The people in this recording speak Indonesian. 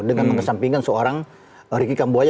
dengan mengesampingkan seorang ricky kamboya